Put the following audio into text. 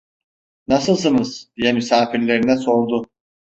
"Nasılsınız?" diye misafirlerine sordu.